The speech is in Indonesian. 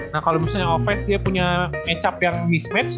nah kalau misalnya offense dia punya matchup yang mismatch